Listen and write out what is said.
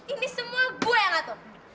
ini semua gue yang ngatur